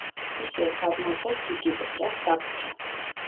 ისევ გადმოვწერთ იგივეს, რაც დაგვრჩა.